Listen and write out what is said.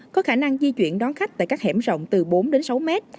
có khả năng di chuyển đón khách tại các hẻm rộng từ bốn đến sáu mét